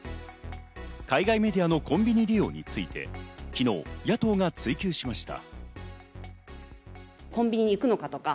海外メディアのコンビニ利用について昨日、野党が追及しました。